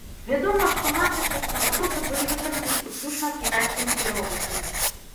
Вядома, што надпісы на пасылцы былі выкананы выключна кітайскімі іерогліфамі.